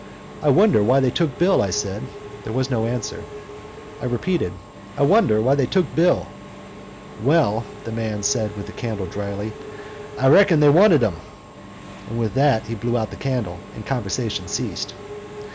"I wonder why they took Bill," I said. There was no answer, and I repeated, "I wonder why they took Bill." "Well," said the man with the candle, dryly, "I reckon they wanted him," and with that he blew out the candle and conversation ceased.